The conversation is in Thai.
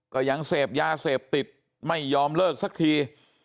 ก็ยังเสพยาเสพติดไม่ยอมเลิกสักที